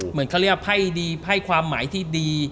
เหมือนเขาเรียกว่าไพ่ความหมายที่ดี